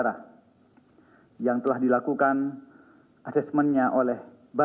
saya harap di entrance mess tersebut